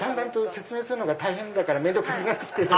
説明するのが大変だから面倒くさくなって来て。